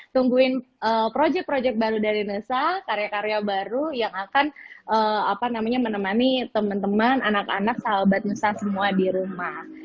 tungguin proyek proyek baru dari nusa karya karya baru yang akan menemani teman teman anak anak sahabat nusa semua di rumah